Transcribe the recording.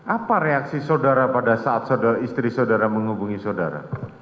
apa reaksi saudara pada saat istri saudara menghubungi saudara